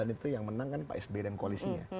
dua ribu sembilan itu yang menang kan pak s b dan koalisinya